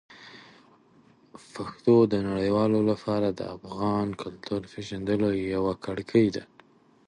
پښتو د نړیوالو لپاره د افغان کلتور پېژندلو یوه کړکۍ ده.